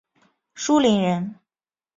舒磷人。